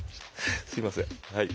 すいませんはい。